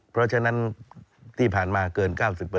เพราะฉะนั้นที่ผ่านมาเกิน๙๐